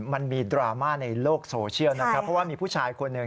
มันมีดราม่าในโลกโซเชียลนะครับเพราะว่ามีผู้ชายคนหนึ่ง